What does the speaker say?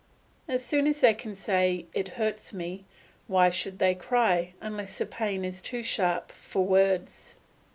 As soon as they can say "It hurts me," why should they cry, unless the pain is too sharp for words?